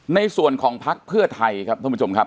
ในส่วนของพักเพื่อไทยครับท่านผู้ชมครับ